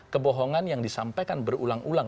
kebohongan yang disampaikan berulang ulang